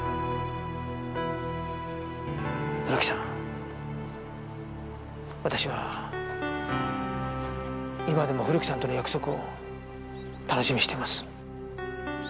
古木さん私は今でも古木さんとの約束を楽しみにしてます。